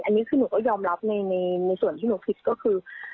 อันนี้คือหนูก็ยอมรับในส่วนที่หนูผิดก็คือ